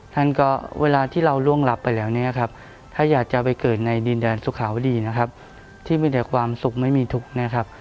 ท่านก็เวลาที่เราร่วงหลับไปแล้วถ้าอยากจะไปเกิดในดินแดนสุขาวดีที่มีแต่ความสุขไม่มีทุกข์